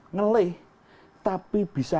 ngeleh tapi bisa